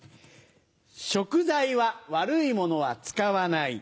食材は悪いものは使わない。